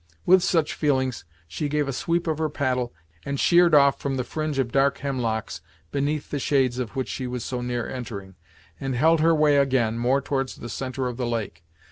With such feelings she gave a sweep with her paddle, and sheered off from the fringe of dark hemlocks beneath the shades of which she was so near entering, and held her way again, more towards the centre of the lake.